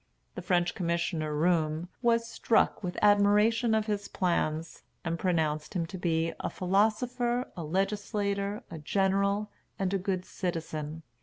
The French commissioner Roume was struck with admiration of his plans, and pronounced him to be "a philosopher, a legislator, a general, and a good citizen."